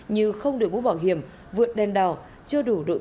như không được bút bảo hiểm vượt đèn đào chưa đủ đội chức năng